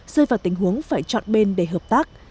rơi vào tình huống phải chọn bên để hợp tác